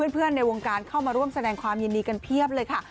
ในวงการเข้ามาร่วมแสดงความยินดีกันเพียบเลยค่ะ